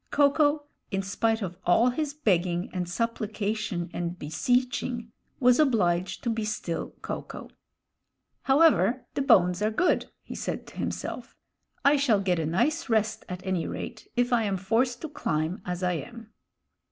Ko ko, in spite of all his begging and supplication and beseeching, was obliged to be still Ko ko. "However, the bones are good," he said to himself. "I shall get a nice rest, at any rate, if I am forced to climb as I am."